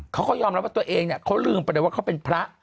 เขาก็ยอมรับว่าตัวเองเนี่ยเขาลืมไปเลยว่าเขาเป็นพระ